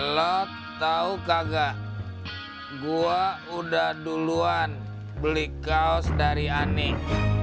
lo tau kagak gua udah duluan beli kaos dari aneh